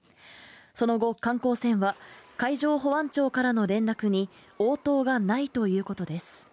その後、観光船は海上保安庁からの連絡に応答がないということです。